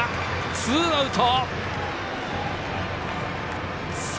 ツーアウト。